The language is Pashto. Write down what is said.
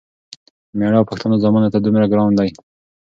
مېړه او پښتانه ځامنو ته دومره ګران دی،